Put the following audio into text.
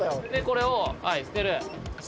これを捨てる。